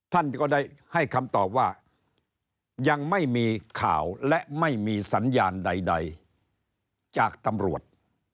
ท่านก็ได้ให้คำตอบว่ายังไม่มีข่าวและไม่มีสัญญาณใดจากตำรวจ